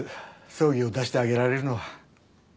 葬儀を出してあげられるのは。